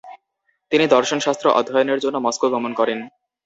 তিনি দর্শনশাস্ত্র অধ্যয়নের জন্য মস্কো গমন করেন।